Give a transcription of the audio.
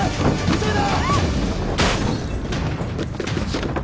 急いで！